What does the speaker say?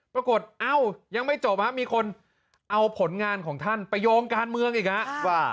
ปรากฏอ้าวยังไม่จบครับมีคนเอาผลงานของท่านไปโยงการเมืองอีกนะ